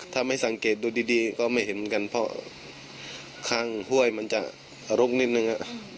ถ้าไม่สังเกตดูดีก็ไม่เห็นเหมือนกันเพราะข้างห้วยมันจะอารกนิดนึง